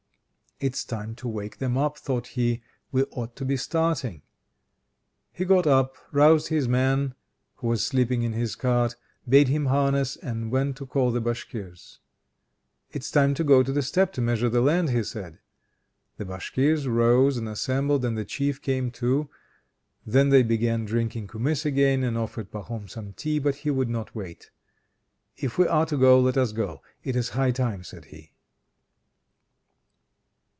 "It's time to wake them up," thought he. "We ought to be starting." He got up, roused his man (who was sleeping in his cart), bade him harness; and went to call the Bashkirs. "It's time to go to the steppe to measure the land," he said. The Bashkirs rose and assembled, and the Chief came, too. Then they began drinking kumiss again, and offered Pahom some tea, but he would not wait. "If we are to go, let us go. It is high time," said he.